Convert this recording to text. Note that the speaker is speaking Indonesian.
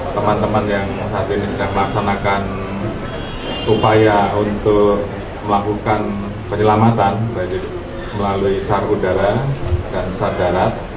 teman teman yang saat ini sedang melaksanakan upaya untuk melakukan penyelamatan melalui sarudara dan sardarat